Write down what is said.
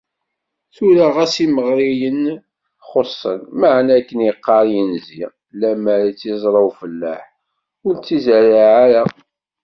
Tura ɣas imeɣriyen xuṣṣen, meεna akken iqqar yinzi: “Limer i tt-iẓra ufellaḥ, ur tt-izerreε ara!"